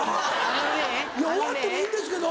終わってもいいんですけど。